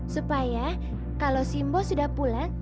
supaya kalau si mbok sudah pulang